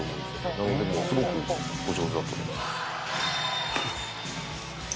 「なのですごくお上手だと思います」